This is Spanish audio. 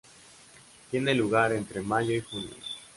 Tiene lugar entre mayo y junio.